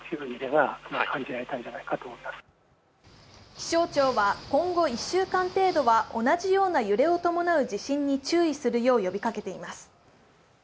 気象庁は今後１週間程度は同じような揺れを伴う地震に注意するよう呼びかけています。